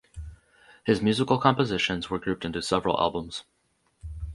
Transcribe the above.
His musical compositions were grouped into several albums.